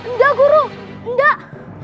nggak guru nggak